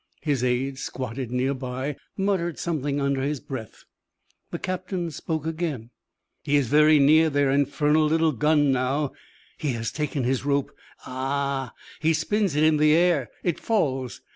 His aide, squatted near by, muttered something under his breath. The captain spoke again. "He is very near their infernal little gun now. He has taken his rope. Ahaaaa! He spins it in the air. It falls.